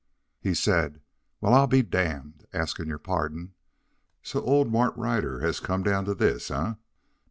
He said: "Well, I'll be damned! askin' your pardon. So old Mart Ryder has come down to this, eh?